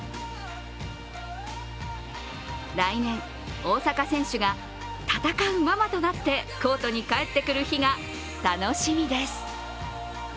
来年、大坂選手が戦うママとなってコートに帰ってくる日が楽しみです。